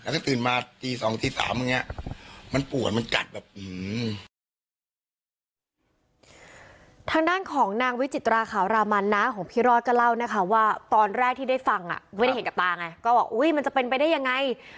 เขาบอกว่าเหาะจะเข้าไปได้ไง